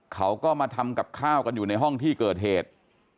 เขาก็มาทำกับข้าวกันอยู่ในห้องที่เกิดเหตุ